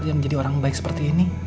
dan jadi orang baik seperti ini